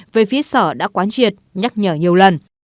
về phía sở đã quán triệt nhắc nhở nhiều lần